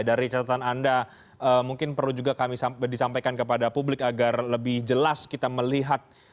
dari catatan anda mungkin perlu juga kami disampaikan kepada publik agar lebih jelas kita melihat